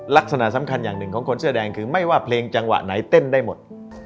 ลักษณะสำคัญอย่างหนึ่งของคนเสื้อแดงคือไม่ว่าเพลงจังหวะไหนเต้นได้หมด